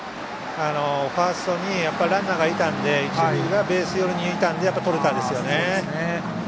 ファーストにランナーがいたので一塁がベース寄りにいたのでとれたんですよね。